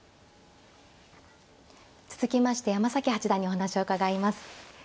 続きまして山崎八段にお話を伺います。